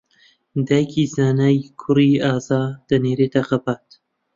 دایکی زانایە کوڕی ئازا دەنێرێتە خەبات